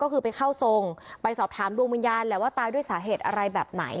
ก็คือไปเข้าทรงไปสอบถามดวงวิญญาณแหละว่าตายด้วยสาเหตุอะไรแบบไหน